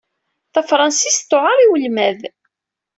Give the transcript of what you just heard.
Tafṛensist tewɛeṛ i welmad.